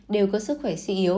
đều có sức khỏe suy yếu